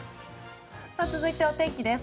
続いて、お天気です。